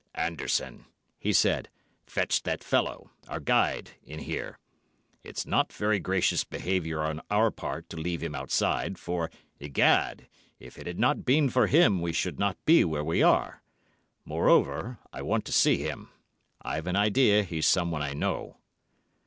"Anderson," he said, "fetch that fellow—our guide—in here. It's not very gracious behaviour on our part to leave him outside, for, egad, if it had not been for him we should not be where we are. Moreover, I want to see him—I've an idea he's someone I know."